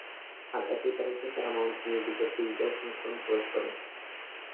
আর একই তারিখে Paramount music এর ডিজিটাল সংস্করণ প্রকাশ করে।